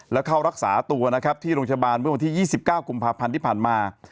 และเข้ารักษาตัวนะครับที่โรงพยาบาลเมื่อวันที่๒๙กุมภาพันธ์ที่ผ่านมา